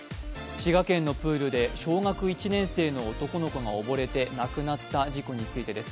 滋賀県のプールで小学１年生の男の子が溺れて、亡くなった事故についてです。